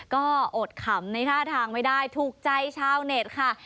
ก็อดขำในท่าทางไม่ได้ถูกใจชาวเน็ตค่ะ